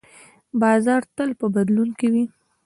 بازار تل په بدلون کې وي.